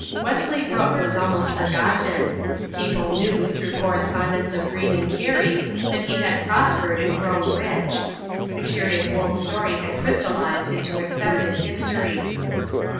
Wesley Brooke was almost forgotten. People knew, through correspondents of Greene and Cary, that he had prospered and grown rich. The curious old story had crystallized into accepted history.